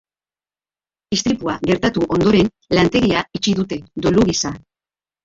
Istripua gertatu ondoren, lantegia itxi dute, dolu gisa.